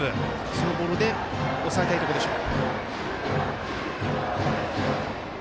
そのボールで抑えたいところでしょう。